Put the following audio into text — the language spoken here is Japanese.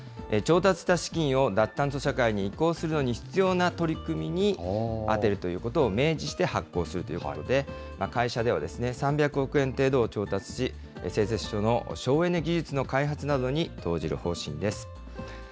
調達した資金を、脱炭素社会に移行するのに必要な取り組みに当てるということを明示して発行するということで、会社では３００億円程度を調達し、製鉄所の省エネ技術の開発などに投じる方針です。